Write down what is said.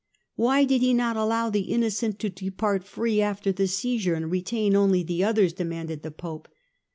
" Why did he not allow the innocent to depart free after the seizure, and retain only the others ?" demanded the Pope.